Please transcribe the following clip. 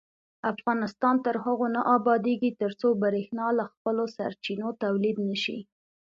افغانستان تر هغو نه ابادیږي، ترڅو بریښنا له خپلو سرچینو تولید نشي.